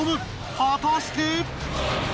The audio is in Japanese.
果たして！？